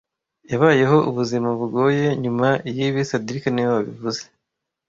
Yabayeho ubuzima bugoye nyuma yibi cedric niwe wabivuze